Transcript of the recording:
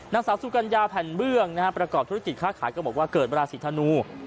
นางสาวสุกัญญาแผ่นเบื้องประกอบธุรกิจค่าขายก็บอกว่าเกิดราศีธนู